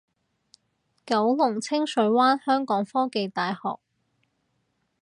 九龍清水灣香港科技大學